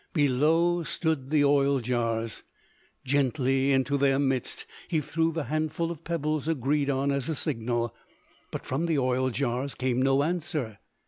Below stood the oil jars; gently into their midst he threw the handful of pebbles agreed on as a signal; but from the oil jars came no answer.